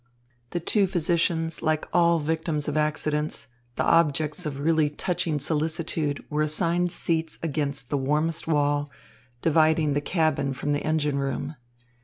The two physicians, like all victims of accidents, the objects of really touching solicitude, were assigned seats against the warmest wall, dividing the cabin from the engine room.